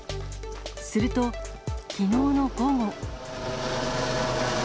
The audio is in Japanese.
すると、きのうの午後。